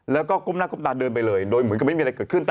แล้วก็ก้มหน้าก้มตาเดินไปเลยโดยเหมือนกับไม่มีอะไรเกิดขึ้น